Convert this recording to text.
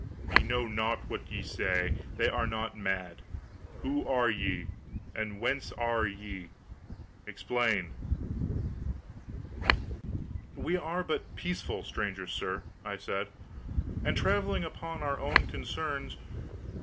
Ye know not what ye say. They are not mad. Who are ye? And whence are ye? Explain." "We are but peaceful strangers, sir," I said, "and traveling upon our own concerns.